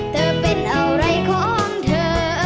เธอเป็นอะไรของเธอ